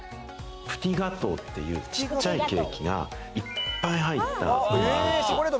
プティ・ガトーっていう小さいケーキがいっぱい入ったのがあるんですよ。